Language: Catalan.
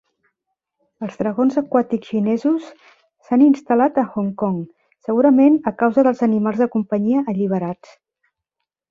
Els dragons aquàtics xinesos s'han instal·lat a Hong Kong, segurament a causa dels animals de companyia alliberats.